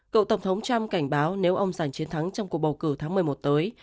cựu tổng thống trump cảnh báo nếu ông giành chiến thắng trong cuộc bầu cử tháng một mươi một tới